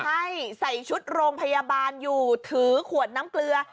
ใช่ใส่ชุดโรงพยาบาลอยู่ถือขวดน้ำเกลือ